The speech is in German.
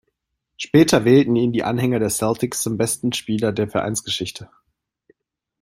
Später wählten ihn die Anhänger der Celtics zum besten Spieler der Vereinsgeschichte.